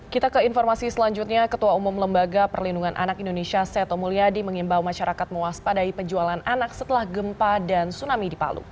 kita ke informasi selanjutnya ketua umum lembaga perlindungan anak indonesia seto mulyadi mengimbau masyarakat mewaspadai penjualan anak setelah gempa dan tsunami di palu